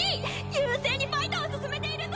優勢にファイトを進めているぞ！